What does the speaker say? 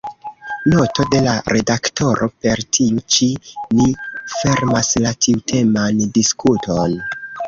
Noto de la redaktoro: Per tiu ĉi ni fermas la tiuteman diskuton.